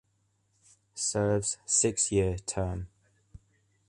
Serves six year term.